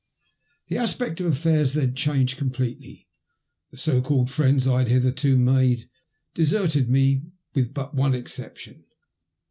The aspect of afiEiairs then changed completely. The so called friends I had hitherto made deserted me with but one exception.